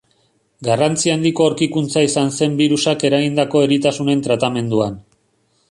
Garrantzi handiko aurkikuntza izan zen birusak eragindako eritasunen tratamenduan.